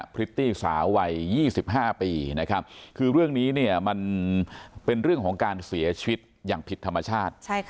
พริตตี้สาววัย๒๕ปีนะครับคือเรื่องนี้เนี่ยมันเป็นเรื่องของการเสียชีวิตอย่างผิดธรรมชาติ